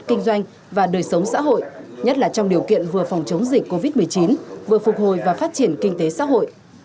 kinh doanh và đời sống xã hội nhất là trong điều kiện vừa phòng chống dịch covid một mươi chín vừa phục hồi và phát triển kinh tế xã hội